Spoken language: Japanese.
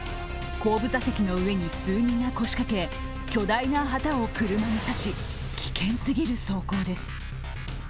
後部座席の上に数人が腰掛け、巨大な旗を車に差し、危険すぎる走行です。